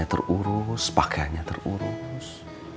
terurus pakaiannya terurus